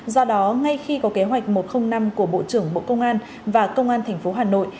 do đó ngay khi có kế hoạch một trăm linh năm của bộ trưởng bộ công an và công an tp hà nội